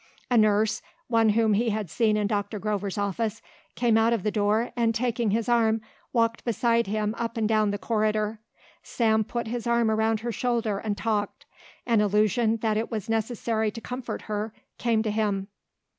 A nurse, one whom he had seen in Doctor Grover's office, came out of the door and taking his arm, walked beside him up and down the corridor. Sam put his arm around her shoulder and talked. An illusion that it was necessary to comfort her came to him.